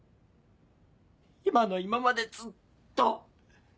今の今までずっと。